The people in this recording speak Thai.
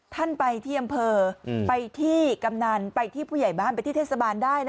ท่านไปที่อำเภอไปที่กำนันไปที่ผู้ใหญ่บ้านไปที่เทศบาลได้นะ